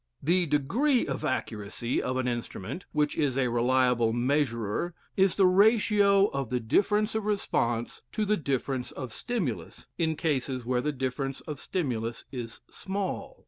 The "degree of accuracy" of an instrument which is a reliable measurer is the ratio of the difference of response to the difference of stimulus in cases where the difference of stimulus is small.